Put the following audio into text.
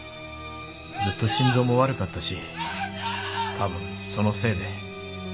ずっと心臓も悪かったしたぶんそのせいで。